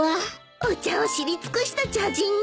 お茶を知り尽くした茶人ね。